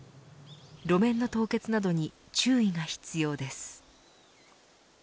路面の凍結などに注意が必要です。